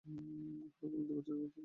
হাড়গুলো দুই বছর যাবৎ শুকাতে হয়েছে।